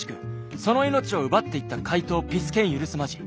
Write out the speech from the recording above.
その命を奪っていった怪盗ピス健許すまじ。